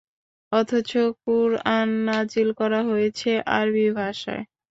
অথচ কুরআন নাযিল করা হয়েছে আরবী ভাষায়।